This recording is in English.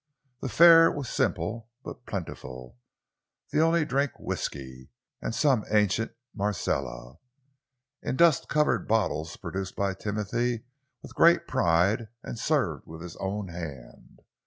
The fare was simple but plentiful; the only drink whisky and some ancient Marsala, in dust covered bottles, produced by Timothy with great pride and served with his own hand.